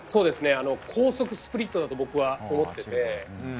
高速スプリットだと僕は思っていて。